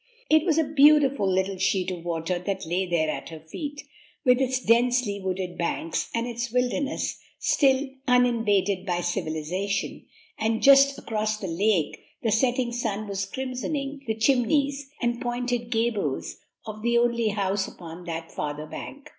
It was a beautiful little sheet of water that lay there at her feet, with its densely wooded banks and its wilderness still uninvaded by civilization; and just across the lake the setting sun was crimsoning the chimneys and pointed gables of the only house upon that farther bank.